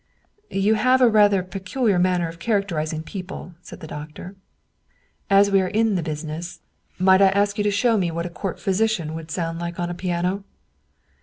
" You have rather a peculiar manner of characterizing people," said the doctor. " As we are in the business, might German Mystery Stories I ask you to show me what a court physician would sound like on a piano?"